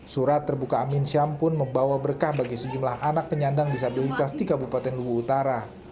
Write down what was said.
surat terbuka amin syam pun membawa berkah bagi sejumlah anak penyandang disabilitas di kabupaten lubu utara